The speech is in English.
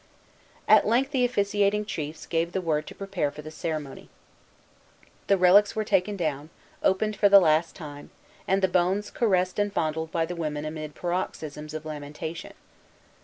At length the officiating chiefs gave the word to prepare for the ceremony. The relics were taken down, opened for the last time, and the bones caressed and fondled by the women amid paroxysms of lamentation.